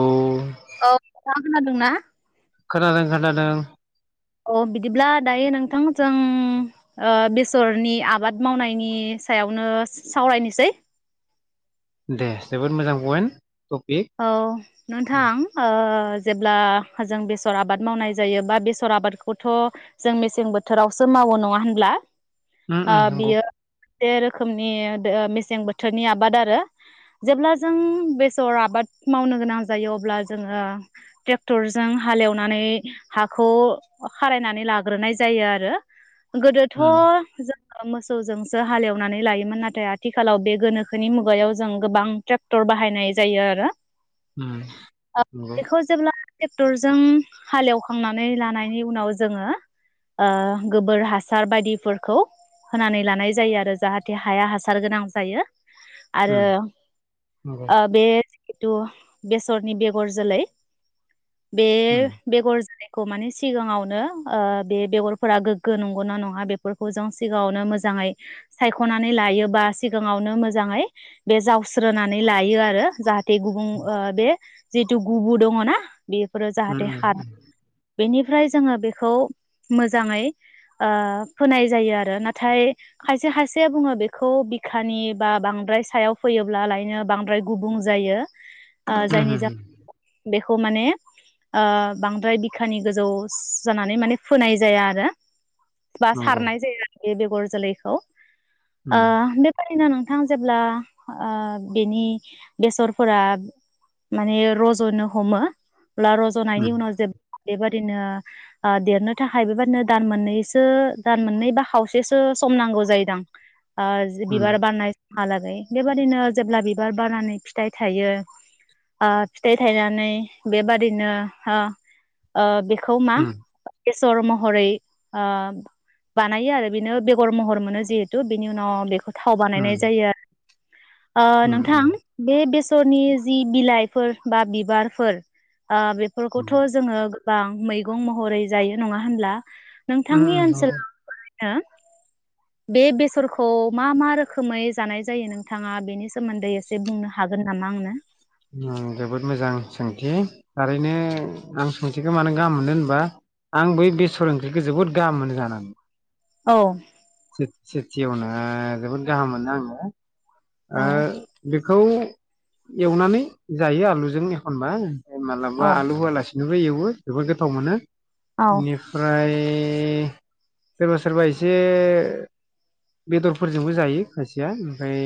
औ औ नोंथांआ खोनादोंना खोनादों खोनादों अ बिदिब्ला दायो नोंथांजों बेसरनि आबाद मावनायनि सायावनो सावरायनोसै दे जोबोद मोजां पइन्ट टपिक औ नोंथां ओ जेब्ला जों बेसर आबाद मावनाय जायो बा बेसर आबादखौथ' जों मेसें बोथोरावसो मावो नङा होनब्ला उम ओ उम नंगौ बियो रोखोमनि मेसें बोथोरनि आबाद आरो जेब्ला जों बेसर आबाद मावनो गोनां जायो अब्ला जोङो ट्रेक्टरजों हालेवनानै हाखौ खारायनानै लाग्रोनाय जायो आरो गोदोथ' उम जो मोसौजोंसो हालेवनानै लायोमोन नाथाय आथिखालाव बे गोनोखोनि मुगायाव जों गोबां ट्रेक्टर बाहायनाय जायो आरो उम नंगौ ओ नगौ बेखौ जेब्ला ट्रेक्टरजों हालेवखांनानै लानायनि उनाव जोङो गोबोर हासार बायदिफोरखौ होनानै लानाय जायो आरो जाहाथे हाया हासार गोनां जायो। आरो उम नंगौ औ बे जिथु बेसरनि बेगर जोलै बे उम बेगर जो खौ माने सिगाङावनो ओ बे बेगरफोरा गोग्गो नंगौनाा नङा बेफोरखौ जों सिगाङावनो मोजाङै सायख'नानै लायो बा सिगाङावनो मोजाङै बे जावस्रोनानै लायो आरो जाहाथे दै गुबुं ओ बे जिहेथु गुबु दङना बेफोरो उम नंगौ जाहाथे उम उम हार बेनिफ्राय जोङो बेखौ मोजाङै ओ फोनाय जायो आरो नाथाय खायसे खायसेया बुङो बेखौ बिखानि बा बांद्राय सायाव फैयोब्लालायनो बांद्राय गुबुं जायो। ओ उम जायनि जा बेखौ माने ओ बांद्राय बिखानि गोजौ जानानै माने फोनाय जाया आरो। बा सारनाय जायो आरो। ए बेगर जोलैखौ आ बेबादिनो नों नोंथां जेब्ला आ बेनि बेसर फोरा माने रज'नो हमो अब्ला रज'नायनि उनाव जे बेबायादि बिदिनो देरनो थाखाय बेबादिनो दान मोननैसो दान मोननै बा खावसेसो सम नांगौ जायोदां। आ जि बिबार बानायनाय हालागै बेबादिनो जेब्ला बिबार बारनानै फि फिथाइ थायो ओ फिथाइ थायनानै बेबादिनो ओ खौ मा बेसर महरै ओ बानायो आरो बेनो बेगर महर मोनो जिहेथु बेनि उनाव बेखौ थाव उम बानायनाय जायो ओ नोंथां उम बे बेसरनि जि बिलाइफोर बा बिबारफोर ओ उम बेफोरखौथ जोंङो बां मैगं महरै जायो नंङा होनब्ला? उम नोंथांनि नंगौ ओनसोलाव हा बे बेसरखौ मा मा रोखोमै जानाय जायो नोंथाङा बेनि सोमोन्दै एसे बुंनो हागोन नामा आंनो? ओ जोबोद मोजां सोंथि थारैनो आं सोंथिखौ मानो गाहाम मोनो होनबा आं बै बेसर ओंख्रिखौ जोबोद गाहाम मोनो जानानै। औ सेथियावनो जोबोद गाहाम मोनो आंङो आ बे औ बेखौ एवनानै जायो आलुजों एखनबा माला बा औ आलु होआलासि बेनोबो एवो जबोर गोथाव मोनो औ बेनिफ्राय [unintelligible] सोरबा सोरबा एसे बेदरफोरजोंबो जायो खायसेया ओमफ्राय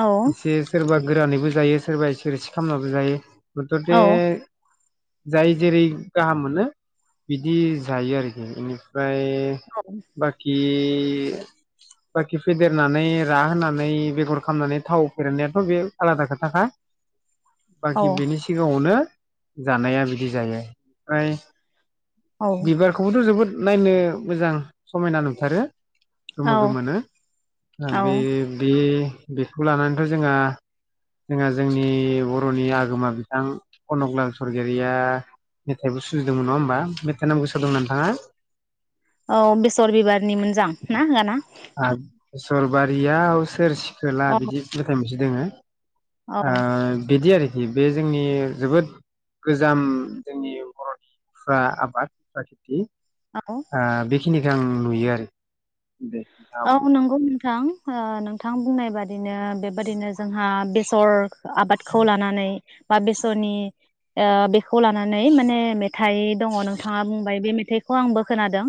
औ एसे सोरबा गोरानैबो जायो सोरबा इसे इसे खालामनाबो जायो मथथे औ जाय जेरै गाहाम मोनो बिदि जायो आरोखि इनिफ्राय बाखि बाखि फेदेरनानै रा होनानै बेगर खालामनानै थाव फेरनायाथ बे आलादा खोथाखा बाखि औ बेनि सिगांङावनो जानाया बिदि जायो ओफ्राय औ बिबारखौबोथ जोबोद नायनो मोजां समायना नुथारो गोमो औ मोनो औ बे बे बेखौ लानानैथ‌जोंहा जोंहा जोंनि बरनि आगोमा बिथां कनकलाल सरगियारिया मेथाइबो सुजुंदोंमोन नंङा होमबा मेथाइ नामखौ गोसोआव दं नोंथांङा औ बेसर बिबारनि मोजां ना गाना सरबारिया आ सोर सिखो खोला औ बिदि मेथाइ मोनसै दोंङो औ ओ बिदि आरो दि बे जोंनि जोबोद गोजाम जोंनि बर'निफ्रा आबादफ्रा खेति औ आ बे खिनिखो नुयो आरो दे नोंथाङा औ बुं। नंगौ नोंथां ओ नोंथां बुंनाय बा दिनो बेबायदिनो जोंहा बेसर आबादखौ लानानै बा बेसरनि ओ बेखौ लानानै माने मे थाय दंङ नोंथाङा बुंबाय बे थाइखौ आंबो खोनादों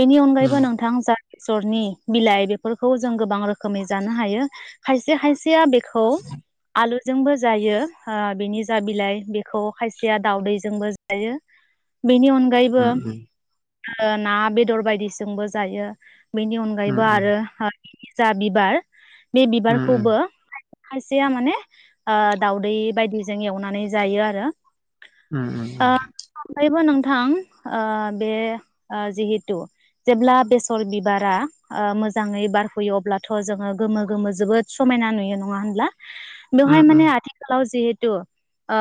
बेनि अनगायैबो उम नोंथां जा बेसरनि बिलाय बेफोरखौ जों गोबां रोखोमै जानो हायो खायसे-खायसेया बे खौ आलु जोंबो जायो ओ बिनि जा बिलाय बेखौ खायसेया दावउदैजोंबो जायो। बेनि अनगायैबो उम ओ ना बेदर बायदिजोंबो जायो बेनि उम फ्रायबो उम आरो हा जा बिबार बे उम बिबारखौबो खायसेया माने ओ दावदै बायदिजों एवनानै जायो आरो उम उम ओ [unintelligible] थां ओ बे ओ जिहेथु जेब्ला बेसर बिबारा ओ मोजाङै बारहैयो अब्लाथ' जोंङो गोमो-गोमो जोबोद समायना नुयो नङा होनब्ला उम बेवहाय माने आथिखालाव जेहे थु ओ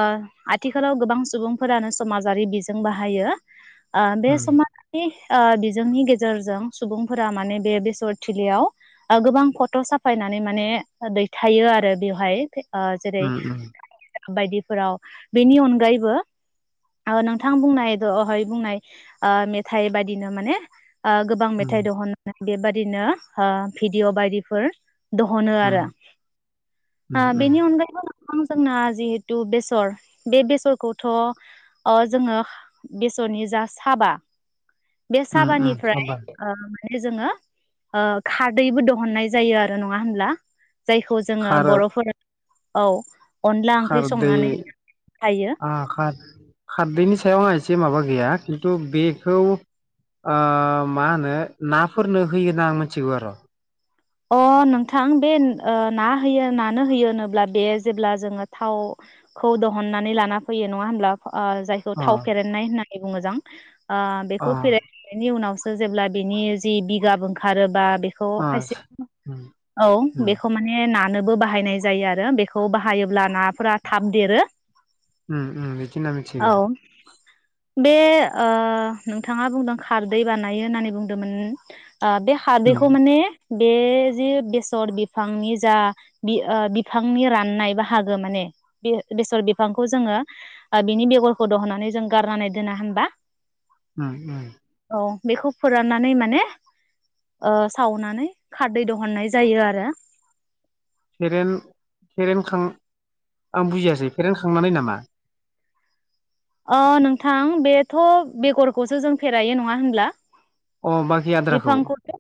आथिखालाव गोबां सुबुंफोरानो समाजारि बिजों बाहायो ओ बे उम समाज नि ओ बिजोंनि गेजेरजों सुबुंफोरा माने बे बेसरथिलियाव ओ गोबां फट' साफायनानै माने दैथायो आरो बेवहाय ओ जेरै उम उम बायदिफोराव बेनि अनगायैबो ओ नोंथां बुंनाय दहाय बुंनाय ओ मेथाइ बायदिनो माने ओ गोबां मेथाइ दहन‌ बेबादिनो ओ भिडिअ बायदिफोर दहनो आरो ओ उम उम बेनि अनगायैबो गोबां जोंना जिहेथु बेसर बे बेसरखौथ' अ जोंङो बेसरनि जा साबा बे उम उम साबानिफ्राय खाबार ओ माने जोङो ओ खारदैबो दहननाय जायो आरो नङा होमब्ला? जायखौ जोङो खार बर'फोर औ। अनला ओंख्रि खारदै संनानै जायो आखास खारदैनि सायाव एसे माबा गैया खिन्थु बेखौ ओ मा होनो नाफोरनो होयो होना आं मिथिगौ आरो अ नोंथां बे ओ ना होयो नानो होयो होनोब्ला बे जेब्ला जोङो थावखौ दहननानै लाना फैयो नङा होमब्ला ओ जायखौ अ थाव फेरेननाय होननानै बेबो मोजां ओ अ बेखौ फेरेदखांनायनि उनावसो जेब्ला बिनि जि बिगाब ओंखारोबा बेखौ अ खायसे उम औ उम बेखौ माने नानोबो बाहायनाय जायो आरो बेखौ बाहायोब्ला नाफोरा थाब देरो। उम उम बेदि होनना मोनथिगौ। औ बे ओ नोंथांङा बुंदों खारदै बानायो होननानै बुंदोंमोन। आ बे उम हारदैखौ माने बे जि बेसर बिफांनि जा बि ओ बिफांनि राननाय बाहागो माने बे बेसर बिफांखौ जोङो आ बिनि बेगरखौ दं होननानै जों गारनानै दोना होनबा उम उम। औ बेखौ फोराननानै माने ओ सावनानै खारदै दहुननाय जायो आरो। फेरेन फेरेनखां आं बुजियासै फेरेन खांनानै नामा? अ नोंथां बेथ' बेगरखौसो जों फेरायो नंङा होनब्ला? अ बाखि आद्राखौ बिफांखौसो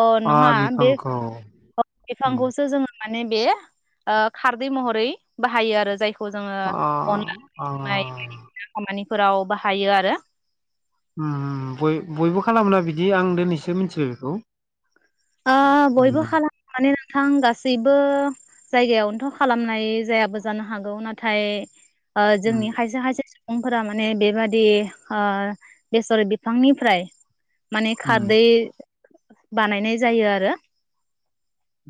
अ नंङा आ बे उम बिफांखौसो जोङो माने बे ओ खारदै महरै बाहायो आरो जायखौ खौ जोङो अ अनला ओंख्रि अ संनाय खामानिफोराव बाहायो आरो। उम उम बय - बयबो खालामो ना बिदि आं दोनैसो मिथि बेखौ ओ बयबो उम खालामनानै नोंथां गासैबो जायगायावनोथ' खालामनाय जायाबो जानो हागौ नाथाय ओ उम जोंनि खायसे खायसे सु बिफांफोरा माने बेबादि ओ बेसर बिफांनिफ्राय माने उम खारदै बानायनाय जायो आरो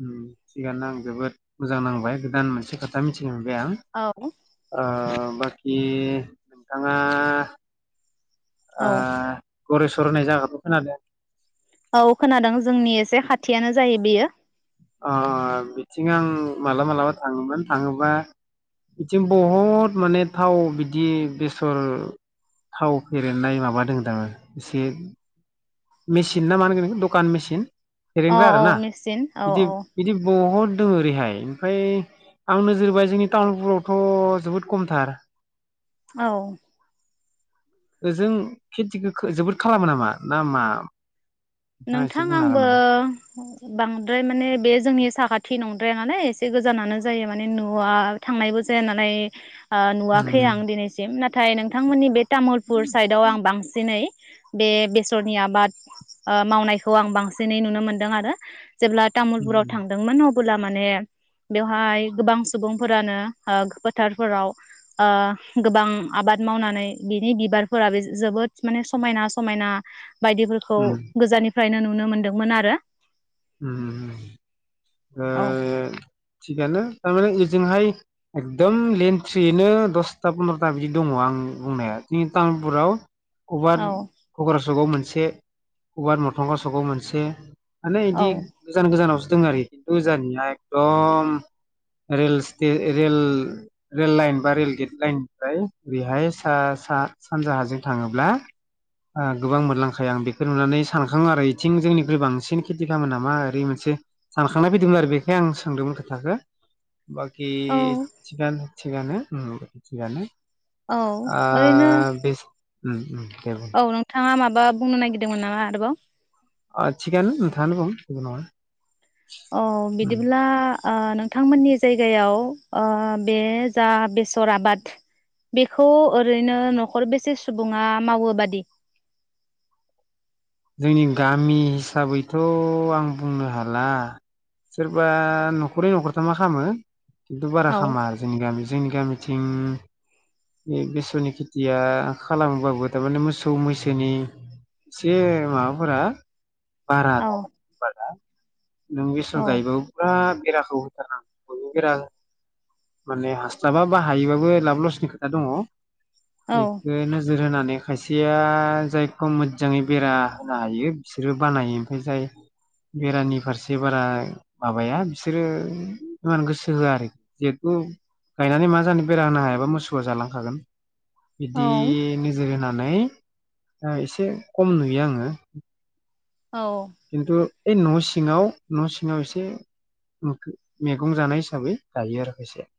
उम थिगानो आं जोबोद मोजां नांबाय गोदान मोनसे खोथा मिथियो आं बे आं औ ओ बा बे नोंथाङा आ औ गरेसर होननाय जायगाखौ खोनादों? औ खोनादों जोंनि एसे खाथियानो जायो बेयो अ बिथिं आं मालाबा मालाबा थाङोमोन थाङोबा बिथिं बहुद माने थाव बिदि बेसर थाव फेरेनाय माबादों दां एसे मेसिन ना मा मोनगोन एखो दखान मेसिन? अ औ मेचिन औ बिदि औ बिदि ब बहुद दोङो ओरैहाय ओमफ्राय आं नोजोर बोबाय जोंनि टाउनफोरावथ' जोबोद खमथार औ ओजों खेथिखो जोबोद खालामो नामा ना मा? नोंथाङा एसे नोंथां बुंनो हागोन आंबो नामा? बांद्राय माने बे जोंनि साखाथि नंद्राया नालाय एसे गोजानानो जायो माने न'आ थांनायबो जाया नालाय ओ नुवाखै उम आं दिनैसिम ना नाथाय नोंथांमोननि बे तामुलपुर साइडआव आं बांसिनै बे बेसरनि आबाद मावनायखौ आं बांसिनै नुनो मोनदों आरो जेब्ला तामुलपुराव उम थांदोंमोन अब्ला माने बेवहाय गोबां सुबुंफोरानो फोथारफोराव ओ गोबां आबाद मावनानै बिनि बिबारफोरा बे जोबोद माने समायना समायना बायदिफोरखौ उम गोजाननिफ्रायनो नुनो मोनदोंमोन आरो उम ओ औ थिगानो थारमाने ओजोंहाय एकदम लेन्थ्रियैनो दसथा फन्द्र'था बिदि दङ आं बुंनायाव जोंनि तामुलपुराव [unintelligible] औ मोनसे मोनसे गुवार मोखांगाव सखौ मोनसे औ गोजान गोजानाव आरोखि खिन्थुजानिया एकदम रेल रेल लाइन बा रेल गेट लाइन निफ्राय बेहाय स सानजाहाजों थाङोब्ला गोबां मोनलांखायो आं बेखौ नुनानै सानखाङो आरो बेथिं जोंनिख्रुइ बांसिन खेथि खालमोनामा ओरै मोनसे सानखांनाय फैदोंमोन आरो बेखो आं सोंदोंमोन खोथाखौ बाखि थिगानो थिगानो उम थिगानो औ ओ ओरैनो बे उम उम दे बुं औ नोंथाङा माब बा बुंनो नागिरदोंमोन नामा आरोबाव ओ थिगानो नोंथाङानो बुं जेबो नङा अ उम बिदिब्ला ओ नोंथांमोननि जायगायाव बे जा बेसर आबाद बेखौ ओैरैनो न'खर बेसे सुबुङा मावो बादि? जोंनि गामि हिसाबैथ' आं बुंनो हाला सोरबा न'खरै न'खर' थामा खालामो खिन्थु बारा औ खामा आरो जोंनि गामि जोंनि गामि थिं बे बेसरनि खेथिया खालामबाबो थारमाने मोसौ मैसोनि एसे माबाफोरा बारा औ [unintelligible] नों बेसर औ गायबाबो बेराखौ होथारनांगौ बयबो बेरा माने हास्लाबा बा हायोबाबो लाब लसनि खोथा दङ औ एखो नोजोर होनानै माने खायसेया जायखौ मोजजाङै बेरा होनो हायो बिसोरो बानायो ओमफ्राय जाय बेरानि फारसे बारा माबाया बिसोरो इमान गोसो होआ आरोखि जेतु गायनानै मा जानो बेरा होनो हायाबा मोसौआ जालांखागोन। बिबदि औ नोजोर होनानै नै एसे खम नुयो आङो। औ खिन्थु ओइ न' सिङाव न' सिङाव एसे मैगं जानाय हिसाबै गायो आरो खाइसे।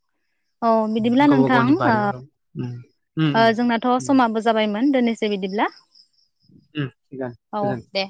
औ बिदिब्ला नोंथां ओ उम उम ओ उम जोंनाथ' उम समाबो जाबायमोन दोननोसै बिदिब्ला। उम थिगानो औ मोजां‌। दे